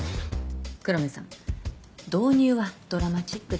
黒目さん導入はドラマチックでしたし